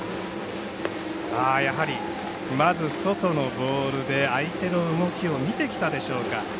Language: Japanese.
やはり、まず外のボールで相手の動きを見てきたでしょうか。